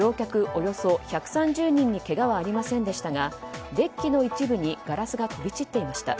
およそ１３０人にけがはありませんでしたがデッキの一部にガラスが飛び散っていました。